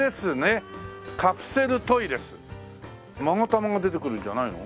勾玉が出てくるんじゃないの？